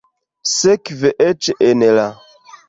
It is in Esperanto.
Sekve eĉ en la.